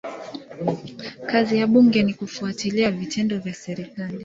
Kazi ya bunge ni kufuatilia vitendo vya serikali.